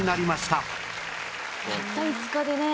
たった５日でね